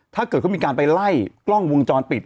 ถ้าเกิดเขามีการไปไล่กล้องวงจรปิด